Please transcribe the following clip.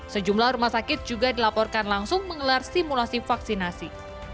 sejumlah rumah sakit juga dilaporkan langsung menggelar simulasi vaksinasi